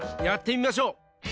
やってみましょう。